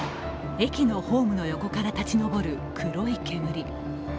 駅のホームの横から立ち上る黒い煙。